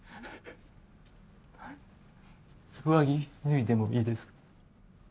上着脱いでもいいですか？